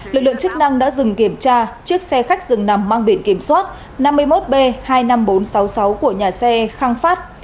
lực lượng chức năng đã dừng kiểm tra chiếc xe khách dừng nằm mang biển kiểm soát năm mươi một b hai mươi năm nghìn bốn trăm sáu mươi sáu của nhà xe khang phát